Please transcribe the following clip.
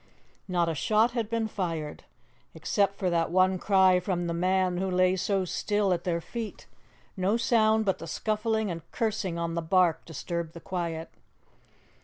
Not a shot had been fired. Except for that one cry from the man who lay so still at their feet, no sound but the scuffling and cursing on the barque disturbed the quiet.